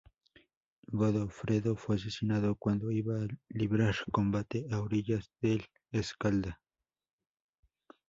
Godofredo fue asesinado cuando iba a librar combate a orillas del Escalda.